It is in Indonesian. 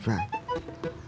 oke sampai jumpa